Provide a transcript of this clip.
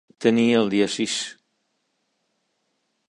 Tenir el dia sis.